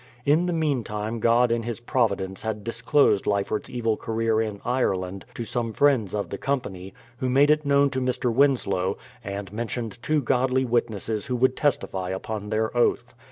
In the meantime God in His providence had disclosed Lyford's evil career in Ireland to some friends of the company, who made it known to Mr. Winslow, and mentioned two godly witnesses vvho w^ould testify upon their oath.